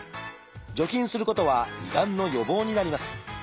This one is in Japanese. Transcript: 除菌することは胃がんの予防になります。